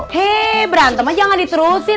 hei berantem aja gak diterusin